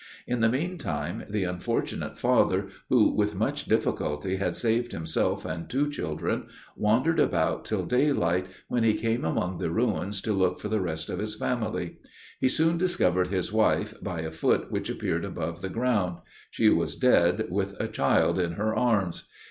In the meantime, the unfortunate father, who, with much difficulty, had saved himself and two children, wandered about till daylight, when he came among the ruins to look for the rest of his family; he soon discovered his wife, by a foot which appeared above the ground; she was dead, with a child in her arms.